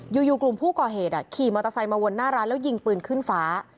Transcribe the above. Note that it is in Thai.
อยู่กลุ่มผู้ก่อเหตุขี่มอเตอร์ไซค์มาวนหน้าร้านแล้วยิงปืนขึ้นฟ้า